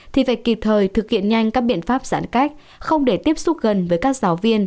thì phải kịp thời thực hiện nhanh các biện pháp giãn cách không để tiếp xúc gần với các giáo viên